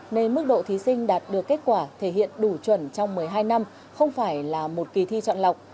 nên mức độ thí sinh đạt được kết quả thể hiện đủ chuẩn trong một mươi hai năm không phải là một kỳ thi chọn lọc